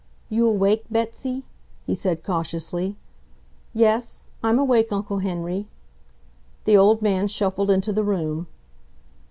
"You awake, Betsy?" he said cautiously. "Yes. I'm awake, Uncle Henry." The old man shuffled into the room.